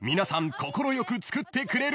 快く作ってくれるという］